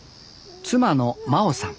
妻の真央さん